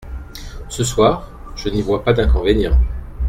Ce soir ? Je n'y vois pas d'inconvénient.